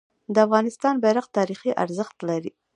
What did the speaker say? د افغانستان بیرغ تاریخي ارزښت لري.